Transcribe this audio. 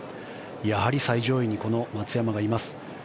やはり最上位にこの松山がいます。